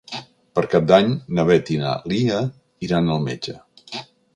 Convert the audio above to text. Per Cap d'Any na Beth i na Lia iran al metge.